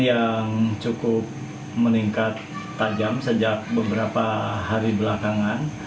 yang cukup meningkat tajam sejak beberapa hari belakangan